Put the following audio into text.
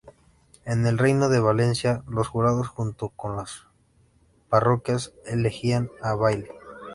En el Reino de Valencia, los jurados junto con las parroquias elegían al bayle.